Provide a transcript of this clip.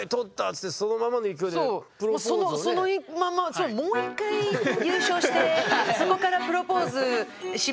そうもう一回優勝してそこからプロポーズします。